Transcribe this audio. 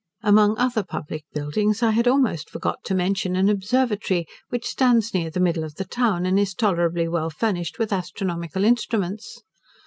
Among other public buildings, I had almost forgot to mention an observatory, which stands near the middle of the town, and is tolerably well furnished with astronomical instruments.